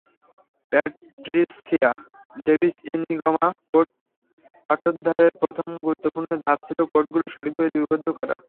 Patricia Davis Enigma code পাঠোদ্ধারের প্রথম গুরুত্বপূর্ণ ধাপ ছিল কোডগুলো সঠিকভাবে লিপিবদ্ধ করা।